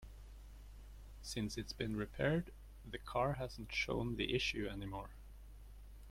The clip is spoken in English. Since it's been repaired, the car hasn't shown the issue any more.